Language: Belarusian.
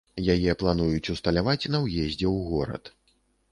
Яе плануюць усталяваць на ўездзе ў горад.